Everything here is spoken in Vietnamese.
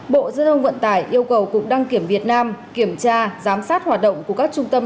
bộ giao thông vận tải yêu cầu cục đăng kiểm việt nam kiểm tra giám sát hoạt động của các trung tâm